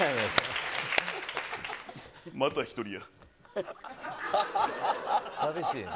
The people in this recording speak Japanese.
また１人や。